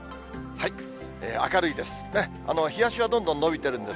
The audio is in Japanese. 明るいです。